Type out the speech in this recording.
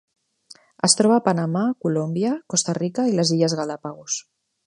Es troba a Panamà, Colòmbia, Costa Rica i les Illes Galápagos.